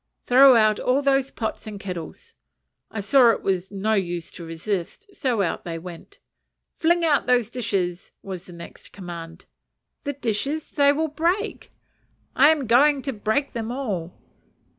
"Throw out all those pots and kettles." I saw it was no use to resist, so out they went. "Fling out those dishes" was the next command. "The dishes? they will break." "I am going to break them all."